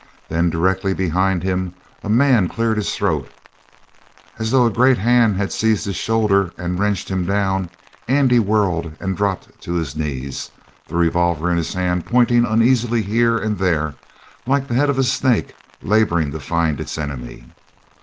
Then directly behind him a man cleared his throat. As though a great hand had seized his shoulder and wrenched him down, Andy whirled and dropped to his knees, the revolver in his hand pointing uneasily here and there like the head of a snake laboring to find its enemy.